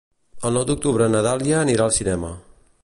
El nou d'octubre na Dàlia anirà al cinema.